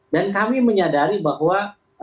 dan kami menyadari bahwa